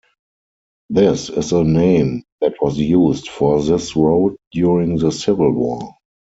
This is the name that was used for this road during the Civil War.